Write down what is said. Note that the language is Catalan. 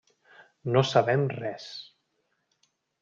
No sabem res.